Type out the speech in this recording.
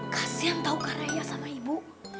kasian tau kak raya sama ibu